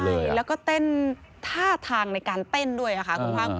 คุณฮ่างกูมและก็เต้นท่าทางในการเต้นด้วยค่ะ